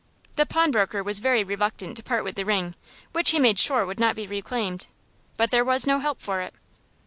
The pawnbroker was very reluctant to part with the ring, which he made sure would not be reclaimed; but there was no help for it.